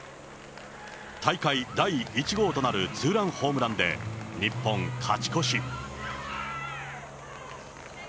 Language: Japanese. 大会第１号となるツーランホームランで、日本、勝ち越し。